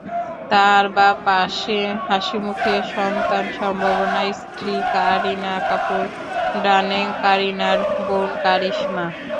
তাঁর বাঁ পাশে হাসিমুখে সন্তানসম্ভবা স্ত্রী কারিনা কাপুর, ডানে কারিনার বোন কারিশমা।